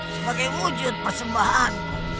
sebagai wujud persembahan